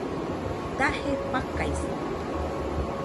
Daje fakaise